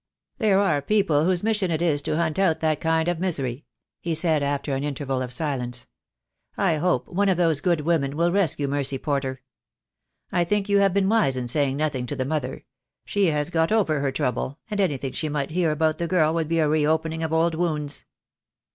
"There are people whose mission it is to hunt out that kind of misery," he said, after an interval of silence. "I hope one of those good women will rescue Mercy Porter. I think you have been wise in saying nothing to the mother. She has got over her trouble, and anything she might hear about the girl would be a reopening of old wounds."